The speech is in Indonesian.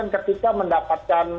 mungkin ketika mendapatkan